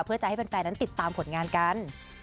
เพื่อจะให้แฟนนั้นติดตามผลงานกัน